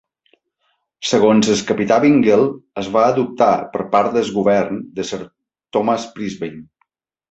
Segons el capità Bingle es va adoptar per part del Govern de Sir Thomas Brisbane.